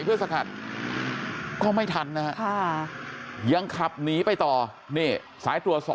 เพื่อสระขัดก็ไม่ทันนะฮะยังขับหนีไปต่อใส่ตรวจ๒